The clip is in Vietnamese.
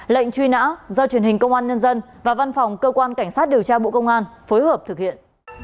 lệnh truy nã do truyền hình công an nhân dân và văn phòng cơ quan cảnh sát điều tra bộ công an phối hợp thực hiện